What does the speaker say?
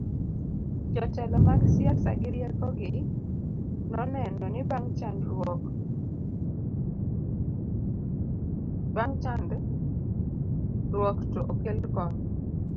jotelo mag siasa gi rieko gi noneno ni bang' chandgruok to okel kony